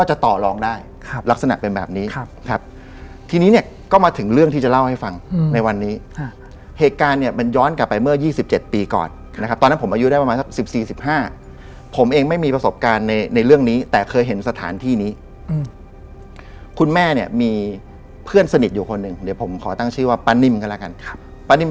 จะมาทำพิธีทางพุธเนี่ยไม่ได้